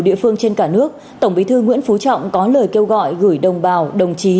địa phương trên cả nước tổng bí thư nguyễn phú trọng có lời kêu gọi gửi đồng bào đồng chí